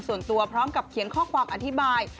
ส่วนตัวพร้อมกับเขียนข้อความอธิบาย